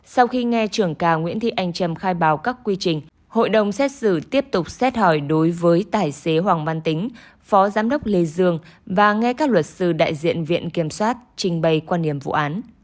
sau khi nghe trưởng cà nguyễn thị anh trâm khai báo các quy trình hội đồng xét xử tiếp tục xét hỏi đối với tài xế hoàng văn tính phó giám đốc lê dương và nghe các luật sư đại diện viện kiểm soát trình bày quan điểm vụ án